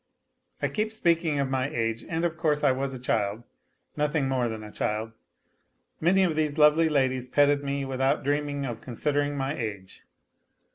I keep speaking of my age, and of course I was a child, nothing more than a child. Many of these lovely ladies petted me with out dreaming of considering my age.